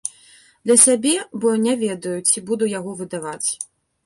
Для сябе, бо не ведаю, ці буду яго выдаваць.